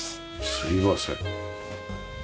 すいません。